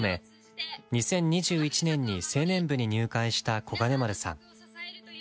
２０２１年に青年部に入会した小金丸さん。